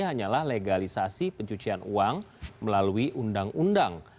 hanyalah legalisasi pencucian uang melalui undang undang